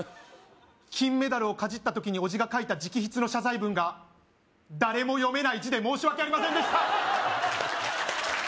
金メダルをかじった時に叔父が書いた直筆の謝罪文が誰も読めない字で申し訳ありませんでした！